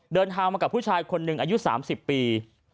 เดินทางมากับผู้ชายคนหนึ่งอายุ๓๐ปี